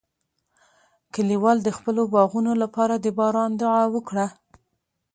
کلیوال د خپلو باغونو لپاره د باران دعا وکړه.